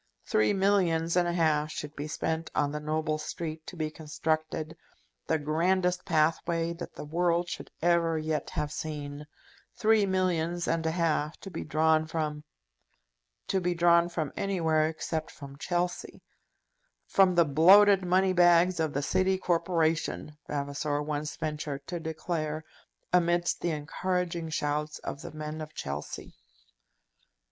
Three millions and a half should be spent on the noble street to be constructed, the grandest pathway that the world should ever yet have seen; three millions and a half to be drawn from, to be drawn from anywhere except from Chelsea; from the bloated money bags of the City Corporation, Vavasor once ventured to declare, amidst the encouraging shouts of the men of Chelsea.